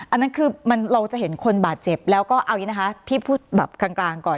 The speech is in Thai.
อันนั้นคือมันเราจะเห็นคนบาดเจ็บแล้วก็เอาอย่างนี้นะคะพี่พูดแบบกลางก่อน